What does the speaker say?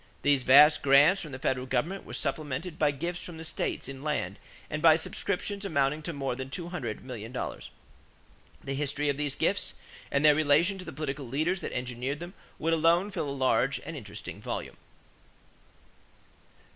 These vast grants from the federal government were supplemented by gifts from the states in land and by subscriptions amounting to more than two hundred million dollars. The history of these gifts and their relation to the political leaders that engineered them would alone fill a large and interesting volume.